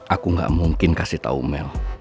aku gak mungkin kasih tahu mel